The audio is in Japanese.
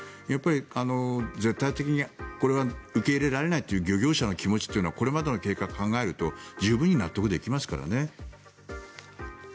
やっぱり、絶対的にこれは受け入れられないという漁業者の気持ちはこれまでの経緯を考えると十分納得できますからね。